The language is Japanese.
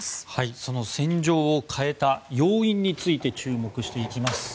その戦場を変えた要因について注目していきます。